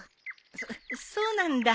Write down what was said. そそうなんだ。